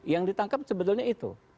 yang ditangkap sebetulnya itu